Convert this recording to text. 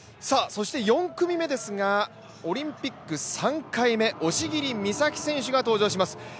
そして４組目ですが、オリンピック３回目押切美沙紀選手が登場します。